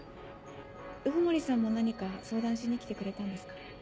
鵜久森さんも何か相談しに来てくれたんですか？